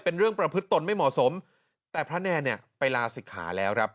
เป็นเรื่องประพฤติตนไม่เหมาะสมแต่พระแนนเนี่ยไปลาศิกขาแล้วครับ